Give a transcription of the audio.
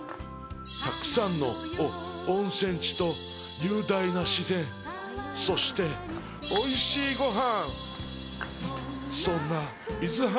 たくさんの温泉地と雄大な自然、そしておいしいご飯。